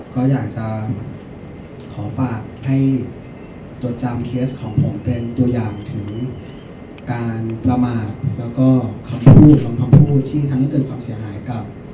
ก็อยากจะขอฝากให้จดจำเคสของผมเป็นตัวอย่างถึงการประมาทแล้วก็คำพูดของคำพูดที่ทำให้เกิดความเสียหายกับ